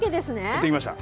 行ってきました。